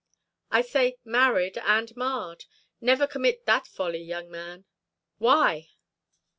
"I say, married and marred. Never commit that folly, young man." "Why?"